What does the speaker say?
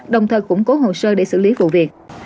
đồng thời củng cố hồ sơ để xử lý vụ việc